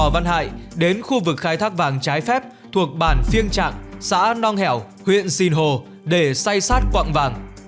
lò văn hại đến khu vực khai thác vàng trái phép thuộc bản phiêng trạng xã nong hẻo huyện sinh hồ để say sát quặng vàng